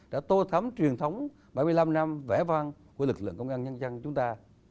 đã tô thắm truyền thống bảy mươi năm năm vẽ vang của lực lượng công an nhân dân chúng ta